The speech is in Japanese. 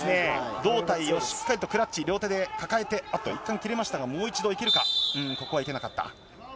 胴体をしっかりとクラッチ、両手で抱えて、一回切れましたがもう一度いけるか、ここはいけなかった。